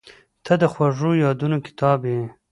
• ته د خوږو یادونو کتاب یې.